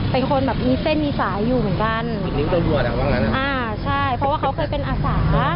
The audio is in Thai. เป็นคนแบบมีเส้นมีสายอยู่เหมือนกันอ่าใช่เพราะว่าเขาเคยเป็นอาศา